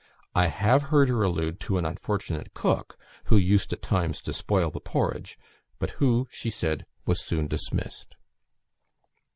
I have heard her allude to an unfortunate cook, who used at times to spoil the porridge, but who, she said, was soon dismissed."